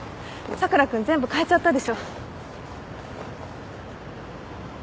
佐倉君全部かえちゃったでしょ。